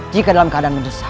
jika dalam keadaan mendesak